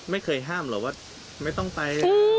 ไม่เคยห้ามหรอกว่าไม่ต้องไป